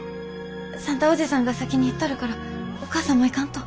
算太伯父さんが先に行っとるからお母さんも行かんと。